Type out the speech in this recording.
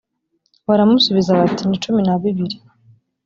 baramusubiza bati ni cumi na bibiri